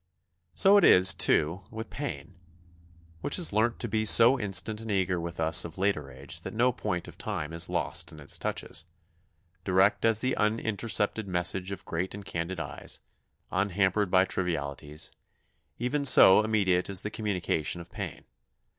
So it is, too, with pain, which has learnt to be so instant and eager with us of later age that no point of time is lost in its touches direct as the unintercepted message of great and candid eyes, unhampered by trivialities; even so immediate is the communication of pain.